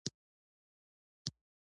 دوه لارې ته رسېدلی دی